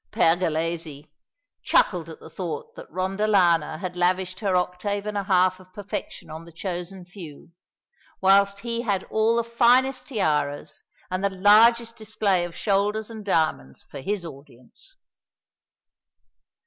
Pergolesi chuckled at the thought that Rondolana had lavished her octave and a half of perfection on the chosen few; while he had all the finest tiaras, and the largest display of shoulders and diamonds for his audience.